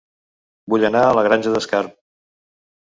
Vull anar a La Granja d'Escarp